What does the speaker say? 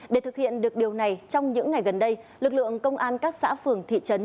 để thực hiện được điều này trong những ngày gần đây lực lượng công an các xã phường thị trấn